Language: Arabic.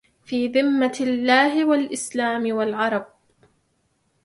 في ذمة الله والإسلام والعرب